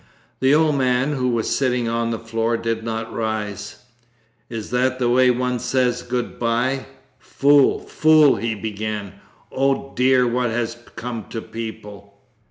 The old man, who was sitting on the floor, did not rise. 'Is that the way one says "Good bye"? Fool, fool!' he began. 'Oh dear, what has come to people?